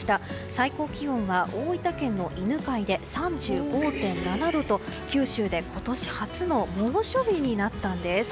最高気温は大分県の犬飼で３５．７度と九州で今年初の猛暑日になったんです。